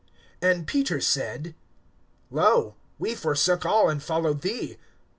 (28)And Peter said: Lo, we forsook all, and followed thee.